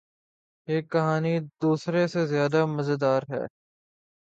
یہ کہانی دوسرے سے زیادو مزیدار ہے